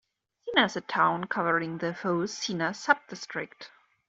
Sena is a town covering the whole Sena sub-district.